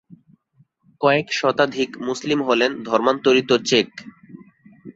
কয়েক শতাধিক মুসলিম হলেন ধর্মান্তরিত চেক।